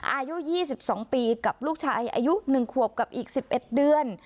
อายุ๒๒ปีกับลูกชายอายุ๑ขวบกับอีก๑๑เดือน